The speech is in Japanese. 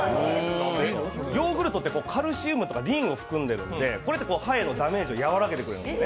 ヨーグルトってカルシウムとかリンを吹くんでいるので歯へのダメージをやわらげてくれるんですよね。